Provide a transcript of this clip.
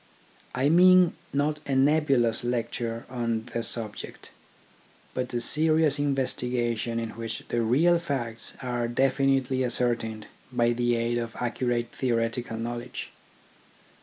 I mean not a nebulous lecture on the subject, but a serious investigation in which the real facts are definitely ascertained by the aid of accurate theoretical knowledge.